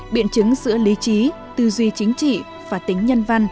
biện chứng giữa lý trí tư duy chính trị và tính nhân văn